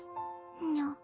にゃ？